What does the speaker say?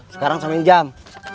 sekarang samain jam